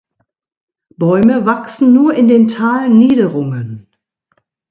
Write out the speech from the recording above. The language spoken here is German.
Bäume wachsen nur in den Talniederungen.